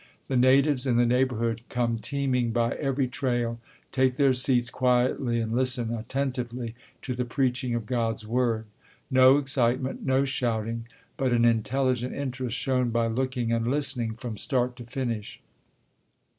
The natives in the neighborhood come teeming by every trail, take their seats quietly, and listen attentively to the preaching of God's word. No excitement, no shouting, but an intelligent interest shown by looking and listening from start to finish.